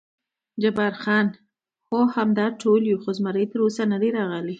جبار خان: هو، همدا ټول یو، خو زمري تراوسه نه دی راغلی.